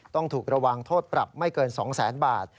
ต้องถูกระวังโทษปรับไม่เกิน๒แสนบาท